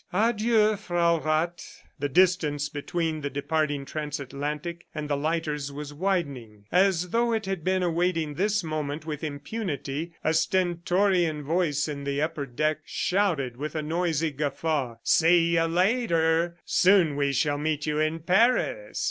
"Adieu, Frau Rath!" The distance between the departing transatlantic and the lighters was widening. As though it had been awaiting this moment with impunity, a stentorian voice on the upper deck shouted with a noisy guffaw, "See you later! Soon we shall meet you in Paris!"